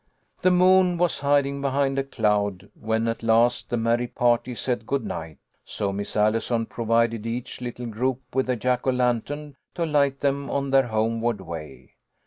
The moon was hiding behind a cloud when at last the merry party said good night, so Miss Allison provided each little group with a Jack o' lantern to light them on their homeward way.